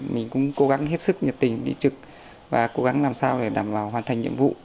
mình cũng cố gắng hết sức nhiệt tình đi trực và cố gắng làm sao để đảm bảo hoàn thành nhiệm vụ